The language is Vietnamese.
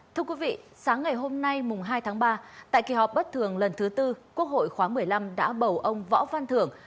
thưa quý vị sáng ngày hôm nay hai tháng ba tại kỳ họp bất thường lần thứ tư quốc hội khóa một mươi năm đã bầu ông võ văn thưởng